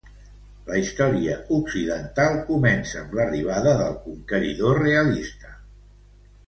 La història occidental comença amb l'arribada del conqueridor realista.